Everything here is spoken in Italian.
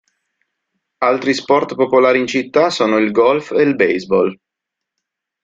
Altri sport popolari in città sono il golf e il baseball.